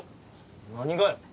何がよ？